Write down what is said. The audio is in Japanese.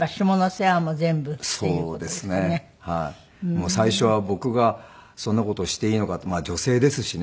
もう最初は僕がそんな事をしていいのかってまあ女性ですしね。